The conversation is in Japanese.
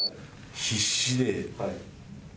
必死で。